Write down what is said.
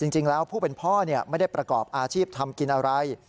จริงแล้วผู้เป็นพ่อไม่ได้ประกอบอาชีพทำกินอะไร